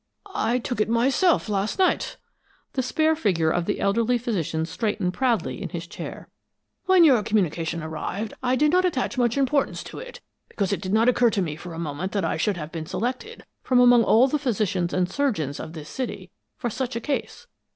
"I took it myself, last night." The spare figure of the elderly physician straightened proudly in his chair. "When your communication arrived, I did not attach much importance to it because it did not occur to me for a moment that I should have been selected, from among all the physicians and surgeons of this city, for such a case.